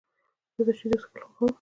زه د شیدو څښل خوښوم.